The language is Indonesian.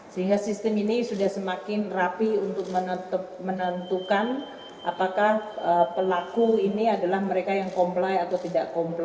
sehingga sistem ini sudah semakin rapi untuk menentukan apakah pelaku ini adalah mereka yang comply atau tidak comply